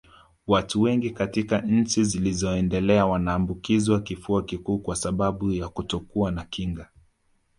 Watu wengi katika nchi zilizoendelea wanaambukizwa kifua kikuu kwa sababu ya kutokuwa na kinga